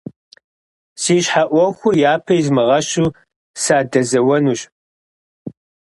Си щхьэ Ӏуэхур япэ измыгъэщу, садэзэуэнущ.